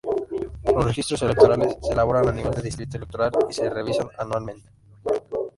Los registros electorales se elaboran a nivel de distrito electoral y se revisan anualmente.